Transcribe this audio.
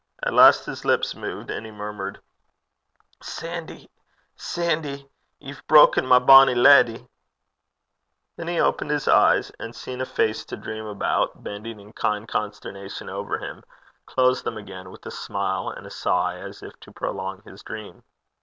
At last his lips moved, and he murmured, 'Sandy, Sandy, ye've broken my bonnie leddy.' Then he opened his eyes, and seeing a face to dream about bending in kind consternation over him, closed them again with a smile and a sigh, as if to prolong his dream.